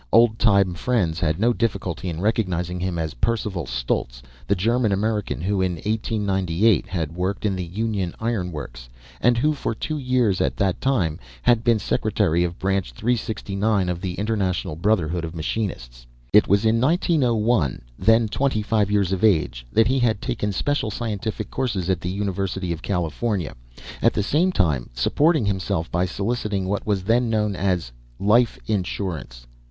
Old time friends had no difficulty in recognizing him as Percival Stultz, the German American who, in 1898, had worked in the Union Iron Works, and who, for two years at that time, had been secretary of Branch 369 of the International Brotherhood of Machinists. It was in 1901, then twenty five years of age, that he had taken special scientific courses at the University of California, at the same time supporting himself by soliciting what was then known as "life insurance."